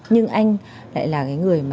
nhưng anh lại là người